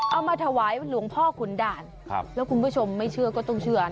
เอามาถวายหลวงพ่อขุนด่านแล้วคุณผู้ชมไม่เชื่อก็ต้องเชื่อ